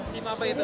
sim apa itu